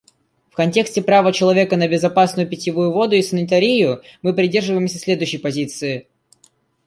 В контексте права человека на безопасную питьевую воду и санитарию мы придерживаемся следующей позиции.